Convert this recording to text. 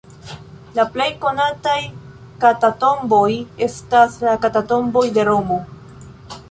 La plej konataj katakomboj estas la Katakomboj de Romo.